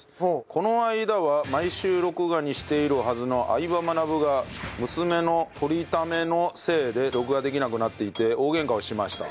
この間は毎週録画にしているはずの『相葉マナブ』が娘の録りためのせいで録画できなくなっていて大ゲンカをしました。